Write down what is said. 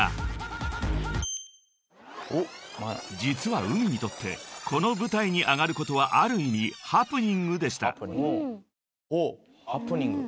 ［実はＵＭＩにとってこの舞台に上がることはある意味ハプニングでした］